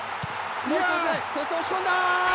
そして押し込んだ！